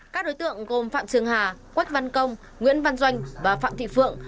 các đối tượng gồm phạm trường hà quách văn công nguyễn văn doanh và phạm thị phượng